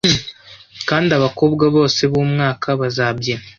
Kandi abakobwa bose bumwaka bazabyina